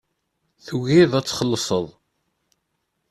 Tugiḍ ad txellṣeḍ.